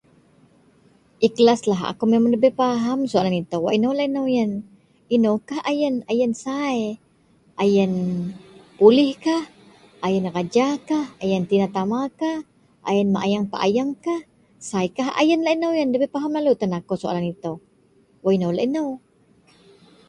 Iklaslah akou memang da pahem soalan ito. Wak eno laei nou yen, eno kah ayen ayen sai, ayen polih kah, ayen raja kah, ayen tina tama kah, mak ayeng pak ayeng kah sai lah ayen laei nou debei pahem lalu ko, soalan ito. Wak eno laei nou.